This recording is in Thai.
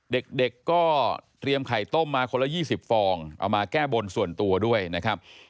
เด็กก็เตรียมไข่ต้มมาคนละ๒๐ฟองเอามาแก้บนส่วนตัวด้วยนะครับ